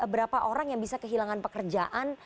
berapa orang yang bisa kehilangan pekerjaan